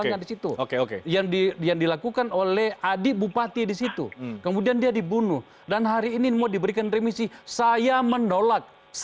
jadi prosedurnya berbeda